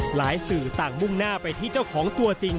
สื่อต่างมุ่งหน้าไปที่เจ้าของตัวจริง